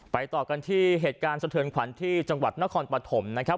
ต่อกันที่เหตุการณ์สะเทือนขวัญที่จังหวัดนครปฐมนะครับ